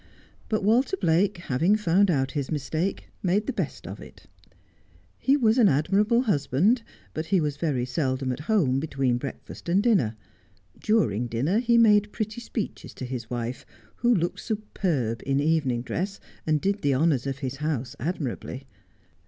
But Walter Blake, having found out his mistake, made the best of it. He was an admirable husband, but he was very seldom at home between breakfast and dinner. During dinner he made pretty speeches to his wife, who looked superb in evening dress, and did the honours of his house admirably.